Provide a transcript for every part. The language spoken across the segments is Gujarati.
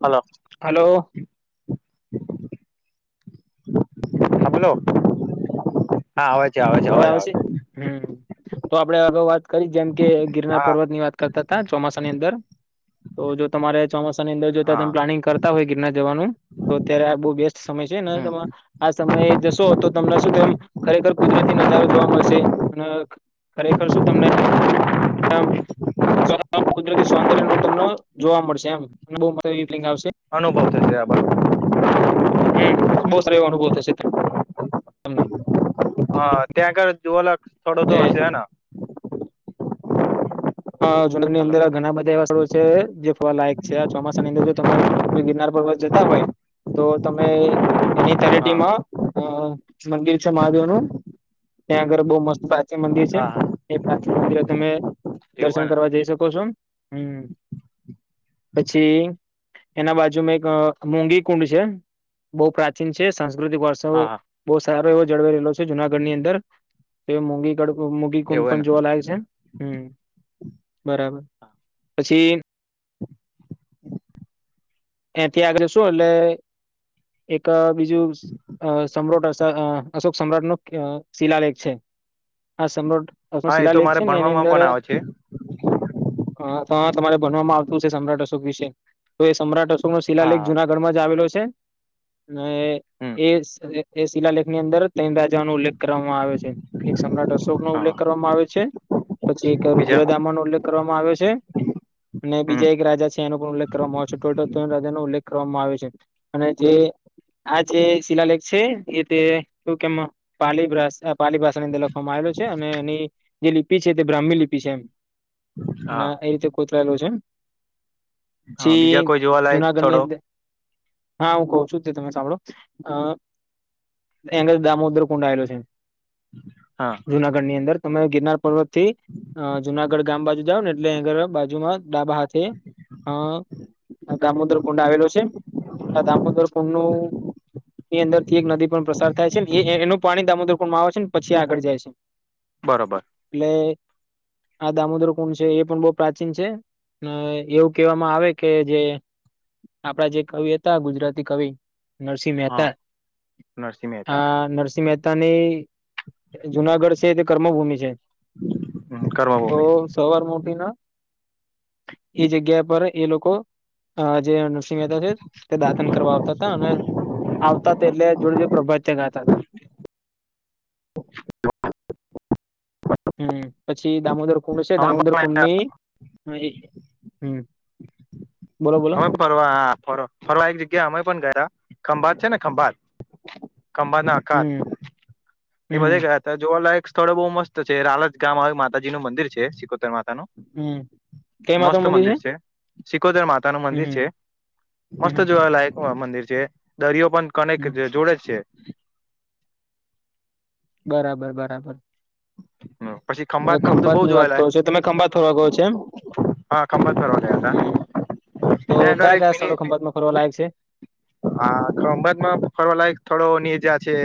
હાલો હલો હ બોલો હા આવે છે આવે છે હવે અવાજ આવે આવશે છે હમ તો આપડે અગાઉ વાત કરી જેમ કે ગિરનાર હા પર્વત ની વાત કરતા હતા ચોમાસાની અંદર તો જો તમારે ચોમાસાની અંદર હા જોતામે પ્લાનિંગ કરતા હોય ગિરનાર જવાનું તો અત્યારે આ બહુ બેસ્ટ સમય છે ને હમ આ સમયે જશો તો તમને શું તેમ ખરેખર કુદરતી નજારો જોવા મળશે અને ખરેખર શું તમને તમ કુદરતી સૌંદર્ય નું તમને જોવા મળશે એમ બંગ આવશે અનુભવ થશે આ બા હમ બહુ સારો એવો અનુભવ થશે હા ત્યાંગળ જોવાલા થોડો તો એટલે હશે હે હા જનાની હલો અંદર ઘણા બધા એવા સ્થો જે ફવાલાયક છે ચોમાસા ની અંદર જો તમે ગિરનાર પર્વત જતા હોય તો તમે એની હા તળટીમાં અ મંદિર છે મહાદેવનુંું ત્યાં આગળ બહ મસ્ત પ્રાચીન મંદિર છે હા હા એ પ્રાચીન મંદિરે તમે એવું હે દર્શન ને કરવા જઈ શકો છો હમ પછી એના બાજુમાં એક મોગી કુંડ છે બહુ પ્રાચીન છે સાંસ્કૃતિક વર્ષ હા હા બો સારો એવો જળવાઈ રહેલો છે જુનાગઢની અંદર. મોઘી મુગી કુંડ એવું હેને પણ જોવા લાગે છે. હમ બરાબર. પછી એથી આગળ જશું એટલે એક બીજું અ સમ્રાટ અશોક સમ્રાટ નુ શિલાલેખ છે. હા સમ્રોટ હા એ તો શિલાલેખ મારે છે ને એની ભણવામાં અંદર પણ આવે છે હા તો તમારે ભનવામાં આવતું છે સમ્રાટ અશોક વિશે તો એ સમ્રાટ અશોક શિલાલેખ હા જુનાગઢમાં જ આવેલો છે. અને હમ એ એ શિલાલેખની અંદર તેણ રાજાનો ઉલ્લેખ કરવામાં આવયો છે. એક સમ્રાટ અશોકનો હા ઉલ્લેખ કરવામાં આવે છે, પછી એક બીજા રુદ્રદામાનો ઉલ્લેખ વામાં આવ્યો છે અને હમ બીજા એક રાજા છે એનો પણ ઉલ્લેખ કરવામાં આવ છે. ટોટલ હદયનો ઉલ્લેખ કરવામાં આવયો છે અને જે આ જે શિલાલેખ છે એ તે શું કેમ પાલી ભા પાલી ભાષા ની અંદર લખવામાં આવેલો છે અને એની જે લિપિ છે તે બ્રાહ્મી લિપિ છે એમ. અને હા એ રીતે કોતરાયલું છે એમ. હા બીજા કોઈ જોવા જુનાગઢની અંદર હા હું કહું છું તે તમે સાંભળો. એંગ દામોદર કુંડાયેલો છે. હા. જુનાગઢની અંદર તમે ગિરનાર પર્વતથી જુનાગઢ ગામ બાજુ જાવને એટલે અ ઘરના બાજુમાં ડાબા હાથે અ - દામોદર કુંડ આવેલો છે. આ દામોદર કુંડનું એની અંદરથી એક નદી પણ પસાર થાય છે એનું પાણી દામોદર કુંડ માં આવે છે પછી આગળ જાય છે. બરાબર. એટલે આ દામોદર કુંડ છે એ પણ બહ પ્રાચીન છે. એવું કહેવામાં આવે કે કે જે આપડા જે કવિ હતા. ગુજરાતી કવિ નરસિંહ હા મહેતા નરસિંહ મહેતા આ નરસિંહ મેતા તાની જુનાગઢ છે તે કર્મભૂમિ છે. હ કર્મભૂમિ. સવારમા ઊઠીને એ જગ્યા પર એ લોકો અ જે નરસિંહ મહેતા છે તે દાતન કરવા આવતા હતા અને આવતા હતા એટલે જોડ જે પ્રભાતિયાં ગાતા હતા. હમ્મ પછી દામોદર કુંભ છે. અમે દામોદર પણ કુંડની એ હમ્મ બોલો બોલો. અમે ફરવા હા ફર ફરવા એક જગ્યા અમે પણ ગયા ખંભાત છે ને ખંભાત ખંભાતના અખાત હમ્મ એ બધે હમ્મ ગયા ત્યાં જોવાલાયક સ્થળો બહુ મસ્ત છે. રાલજ ગામ આવે માતાજીનું મંદિર છે. માતાનું હમ્મ મસ્ત મંદિર છે. સિકોદર માતાનું હમ્મ મંદિર છે. હમ્મ મસ્ત હમ્મ જોવાલાયક મંદિર છે દરિયો પણ કનેક હમ્મ જે જોડે છે. બરાબર બરાબર પછી ખંભાતમાં બધું ખંભાત બહુ ની જોવા વાત કરો છો તમે ખંભાત ફરવા ગયો છો એમ લાયક હા ખભાત ફરવા ગયા હમ. હતા. તો ત્યાં આગળ કયા એક કયા મિની સ્થળો ખંભાતમાં ફરવા લાયક છે? હા ખભાતમાં ફરવાલાયક સ્થળોની જા છે.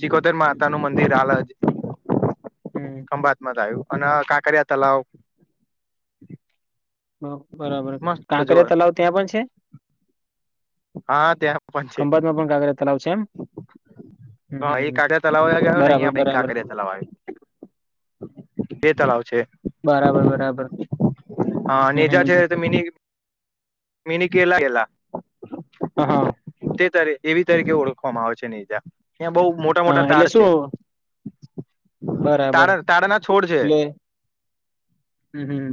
સિકોતેર માતાનું મા [unintelligible] હમ્મ ખંભાતમાં થયું અને કાંકરિયા તલાવ બરાબર. મસ્ત કાંકરિયા જોવા તલાવ ત્યાં પણ છે. હા ત્યાં પણ છે કંબતમાં પણ કાંકરિયા તલાવ છે એમ. હા એ હમ. કાકરીયા તલાવ ગયો ને બરાબર અહિયા પણ બરાબર કાકિયા તલાવા આવે. બે તળાવ છે. બરાબર બરાબર હા નેજા છે હ તો મિની મીની કેરલા ગેલા હ હા. તે તા એવી તરીકે ઓળખવામાં આવે છે ને જા ત્યાં બહુ મો હા એટલે શું. બરાબર તાડ તાડાના છોડ છે એટલે લ હમ્મ હમ્મ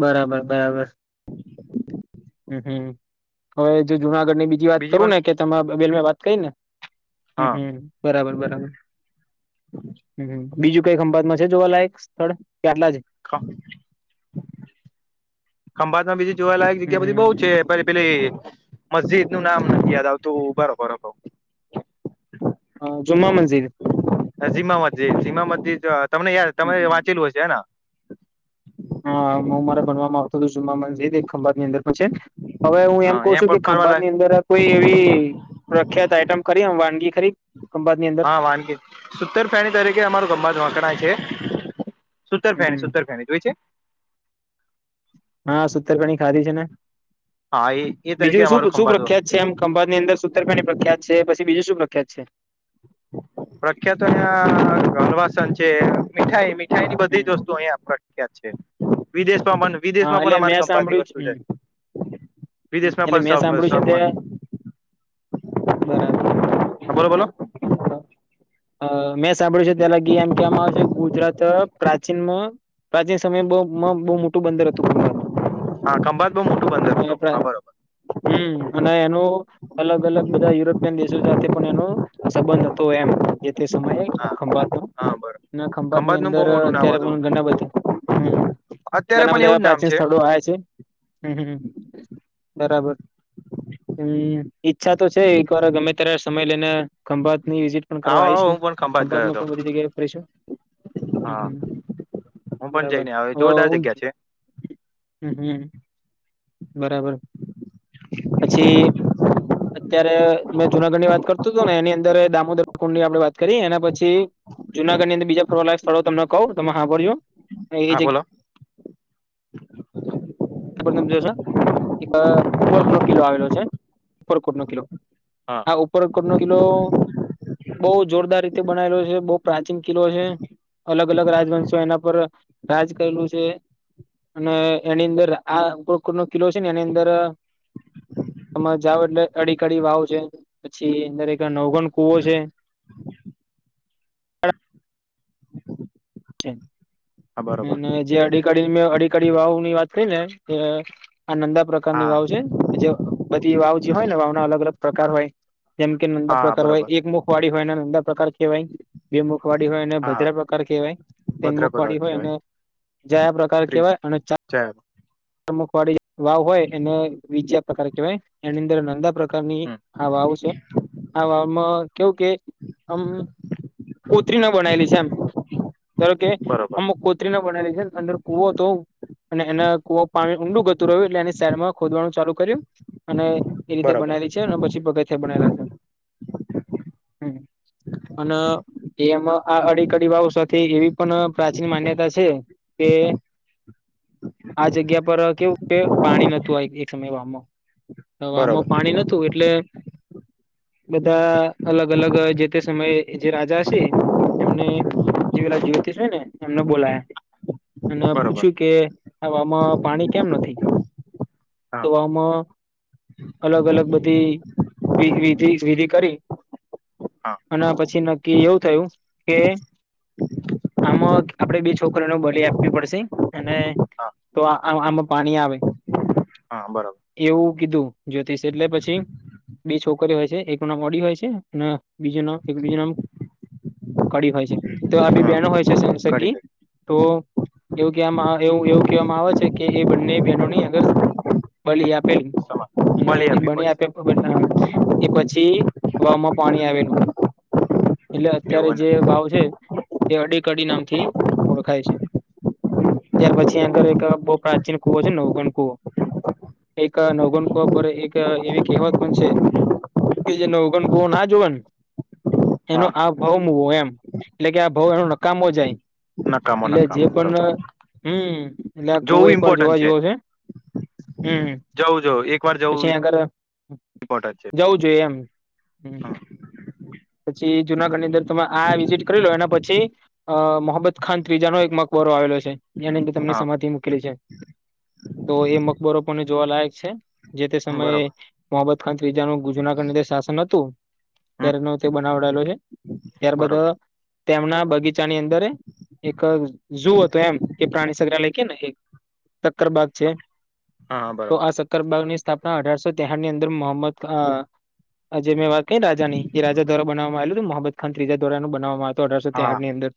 બરાબર બરાબર હમ્મ હમ્મ હવે જો જુનાગઢ ને બીજી બીજી વાત કરું ને કે તમાર વાત કરીને હમ્મ હા હમ્મ બરાબર બરાબર હમ્મ બીજું કઈક ખંભાત માં છે જોવાલાયક સ્થળ કે આટલા જ કા ખંભાતમાં બીજી જોવાલાયક જગ્યા બધી હમ. બહુ છે પછી પેલી મસ્જિદ નું નામ નથી યાદ આવતું ઉભારો ઉભારો કઉ હા જુમા મંજિદ જીમા મસ્જિદ જીમા મસ્જિદ તમને યાર તમે હમ વાંચેલું હશે ને હા. હા મુ મારા ભણવા આવતો હતું જુમ્મા મજીદ એક ખંભાની અંદર પણ છે. હવે હું એમ હા કઉ અહીંયા છું કે પણ ખંભાત ફરવાલાયક ની અંદર કોઈ એવી પ્રખ્યાત આઈટમ ખરી એમ વાનગી ખરી ખંભાતની અંદર હા વાનગી સુતર ફેણી તરીકે અમારૂ ખંભાત વખણાય છે. સૂતર ફેની હમ સતર ફેની જોઈ છે. હા સુતરફેની ખાધી છે ને હા એ એ તરીકે બીજું અમારું શું શું ખંભાત પ્રખ્યાત છે એમ ખંભાની અંદર સૂતર પેની પ્રખ્યાત છે પછી બીજ શું પ્રખ્યાત છે. પ્રખ્યાત તો ત્યાં ઘનવાસન છે મીઠાઈ મી મીઠાઈની બધી હમ. જ વસ્તુ અહીયા પ્રખ્યાત છે વિદેશ માં પણ વિદેશ હા માં પણ એટલે અમારે મેં ખંભાતની સાંભળ્યું છે વસ્તુ હમ જાય છે. હમ વિદેશમાં એટલે પણ મેં સાવ મસ્ત સાંભળ્યું છે સાવ મસ્ત તે બરાબર બોલો પણ અ મેં સાંભળ્યું છે ત્યા લગી એમ કહેવામાં આવશે ગુજરાત પ્રાચીનમાં પ્રાચીન સમયે બહુ માં બહુ મોટું બંદર હતું ખંભાત હા ખંભાત બહુ મોટું બંદર હતું હા બરોબર. હમ્મ અને એનું અલગ અલગ બધા યુરોપિયન દેશો સાથે પણ એનું સંબંધ હતો એમ જે તે સમયે હા ખંભાત નો હા બરોબર ના ખંભાત ની નું બહુ અંદર મોટું નામ અત્યારે હતું પણ ઘણા બધા હમ્મ. અત્યારે ઘણા પણ બધા એવું એવા જ નામ પ્રાચીન છે સ્થળો આયા છે હમ્મ બરાબર હમ્મ ઈચ્છા તો છે એક વાર ગમે ત્યારે સમય લઈને ખંભાત ની વિઝિટ પણ આવો કરવા આવો હું આવીશું પણ ખંભાત ગયો માં હતો પણ બધી જગ્યાએ ફરીશું હા હમ્મ. હું પણ બરાબર જઈને આવ્યો હવે જોરદાર હું જગ્યા છે હમ હમ બરાબર પછી અત્યારે મેં જુનાગઢની વાત કર તો તો એની અંદર એ દામોદર કુંડ ની આપદે વાત કરીએ એના પછી જુનાગઢ ની અંદર બીજા ફરવાલાયક સ્થળો તમને કહું તમે હા ભરજો હા બોલો. તમે જોશો એક ઉપર નો કિલો આવેલો છે ઉપરકોટ નો કિલો હા ઉપર કોટનો કિલો બઉ જોરદાર રીતે બનાયેલો છે બહુ પ્રાચીન કિલ્લો છે. અલગ અલગ રાજવંશો એના પર રાજ કરેલું છે અને એની અંદર રા આ ઉપકર કોટનો કિલો છે ને એની અંદર તમે જાવ એટલે અડી કડી વાવ છે પછી અંદર એક નવગણ કુવો છે. છે. હા બરોબર અને જે અડી કડી મે અડી કડી વાવ ની વાત કરી ને આ નંદા પ્રકાર પ્રકારની હા વાવ છે જે બધી વાવ જે હોય ને વાવ ના અલગ અલગ પ્રકાર હોય જેમ કે નંદા હા પ્રકાર હોય બરોબર એકમુખ વાળી હોયને નંદા પ્રકાર કહેવાય બે મુખવાડી હોય ને હા ભદ્રા પ્રકાર કહેવાય ભદ્ર તેનમખવાળી પગાર હોય કહેવાય અને જયા પ્રકાર કહેવાય અને છે મક વાળી વાવ હોય એને બીજા પ્રકાર કહેવાય એની અંદર નાંદા પ્રકારની હા આવું છે હ આમ કેવું કે આમ કોતરી ના બનાયેલી છે એમ ધાર કે બરોબર અમ કોત્રી ના બનાલી છે ને અંદર કુવો હતો અને એના કુવા પાણી ઊંડું ગતું રહ્યું એટલે એની શહેડમાં ખોદવાનું ચાલુ કર્યું અને એ રીતે બરોબર બનાવીલી છે ને પછી પગ બનેલા છે હ અને એમ આ અડી કડી વાવ સાથે એવી પણ પ્રાચીન માન્યતા છે કે આ જગ્યા પર કેવું કે પાણી નોતું હોય એક સમયમાં હવે બરોબર આમાં પાણી નતું એટલે બધા અલગ અલગ જે તે સમયે જે રાજા હ છે એમને જે પેલા જ્યોતિષ હોય ને એમને બોલાયા અને બરોબર પૂછ્યું કે આવામાં પાણી કેમ નથી હા વામાં અલગ અલગ બધી વિધિ વિધિ કરી હા અને પછી નક્કી એવું થયું કે આમાં આપડે બે છોકરીને બલી આપવી પડશે અને હા તો આમાં પાણી આવે હા બરાબર એવું કીધું જ્યોતિષ એટલે પછી બે છોકરીઓ હોય છે એકનું નામ ઓડી હોય છે અને બીજું નામ એક બીજું નામ કડી હોય છે તો આ બી હા બેનો હોય છે ઘડી સસગી ઘડી તો એવું કવામાં એવ એવું કહેવામાં આવે છે કે એ બંને બહેનોની અગર બલી આપેલી તમા અને બલી એ આપવી બની પડશે આપ્યા એ પછી હમાં પાણી આવેલું એટલે અત્યારે એવું ને જે વાાવ છે એ અડી કડી નામથી ઓળખાય છે ત્યાર પછી આગળ એક બહુ પ્રાચીન કુવો છે નવગણ કુવો એક નવગનક પર એક એવી કહેવત પણ છે. કે જે નવગણ ક ના જોવા ને એનો હા આ ભાવ મવો એમ એટલે કે આ ભાવ એનો નકામો જાય નકામો એટલે જે નકામો પણ બરોબર હમ્મ એટલે આ કૂવો જોવું એક વાર ઇમ્પોર્ટન્ટ જોવા જેવો છે જવું જવું એક વાર જવું હમ્મપછી આ આગળ ઇમ્પોર્ટન્ટ છે જવું જોઈએ એમ હમ્મ પછી જુનાગઢ ની અંદર તમે આ વિઝિટ કરી લો એના પછી અ મોહમ્મદ ખાન ત્રીજાનોો એક મકબરો આવેલો છે જેની અંદર તમની હા સમાધિ મૂકેલી છે તો એ મકબરો પણને જોવા લયક છે જે તે સમયે બરોબર મોહમ્મદ ખાન ત્રીજા નું ગુજના ખંડ શાસન હતું હમ ત્યારે બનાવડાયેલો છે ત્યારબદ બરોબર તેમના બગીચાની અંદર એક ઝુ હતો એમ કે પ્રાણી સંગ્રહાલય કે ને એક ચક્કર બાાગ છે હા હા તો બરોબર આ સકતા બની સ્થાપના અઢારસો તેહઠ ની અંદર મોહમદ જે મેં વાત કરી રાજા ની એ રાજા ્વા બનાવામાં આવે મોહમ્મદ ખાન ત્રીજા દ્વારાું બનાવવામાં આવ અઢારસો હા તેાર ની અંદર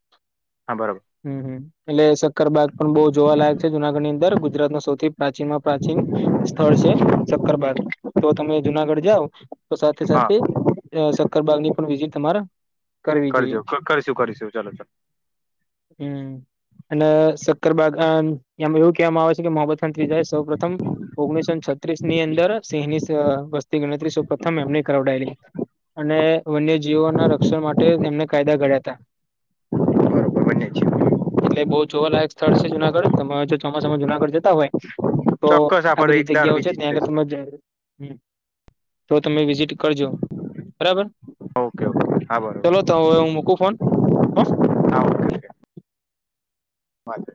હા બરોબર હમ હમ એટલે સક્કરબાગ પણ બહુ જોવાલાયક છે જુનાગઢની અંદર ગુજરાત ન સૌથી પ્રાચીનમાં પ્રાચીન સ્થળ છે શક્કરબાગ તો તમે જુનાગઢ જાઓ તો સાથે હા સાથે અરબલ ની પણ વિજય તમારા કરજો કરીશું કરીશું ચાલો ચાલ હમ્મ અને સક્કરબાગ આમ એવું કહેવામાં આવે છે કે મોહમ્મદ ખાન ત્રિજા સૌ પ્રથમ ઓગણીસો છત્રીસ ની અંદર સિંહની વસ્તી ગણતરીસો પ્રથમ એમને કરાવડાયેલી અને વન્યજીવો ના રક્ષણ માટે એમને કાયદા ઘડ્યા હતા બબર બ હમ્મ એટલે બહુ જોવાલાયક સ્થળ છે જુનાગઢ તમે જો ચોમાસામાં જુનાગઢ જતા હોય તો ચોક્કસ આ આપડે બધી એક દાડ જગ્યાઓ છે ત્યાં વિઝિટ આગળ લઈશું તમે જ હ તો તમે વિઝિટ કરજો બરાબર ઓકે હા બરોબર [inaudible] ચાલો તો હવે હું મૂકું ફોન હ હા ઓકે ઓકે વાંધો